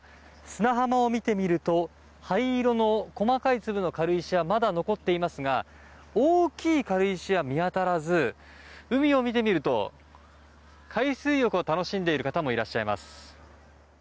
砂浜を見てみると灰色の細かい粒の軽石がまだ残っていますが大きい軽石は見当たらず海を見てみると海水浴を楽しんでいる方もいらっしゃいます。